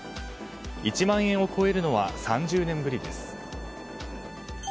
１万円を超えるのは３０年ぶりです。